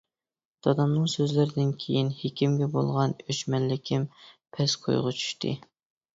دادامنىڭ سۆزلىرىدىن كېيىن ھېكىمگە بولغان ئۆچمەنلىكىم پەسكويغا چۈشتى.